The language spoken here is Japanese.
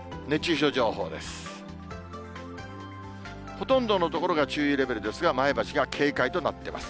ほとんどの所が注意レベルですが、前橋が警戒となっています。